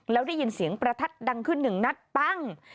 แล้วได้ยินเสียงประทัดดังขึ้นหนึ่งนัดปั้ง